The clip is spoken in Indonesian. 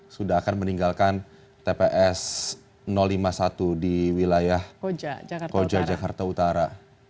sudah akan meninggalkan tps lima puluh satu di wilayah koja jakarta utara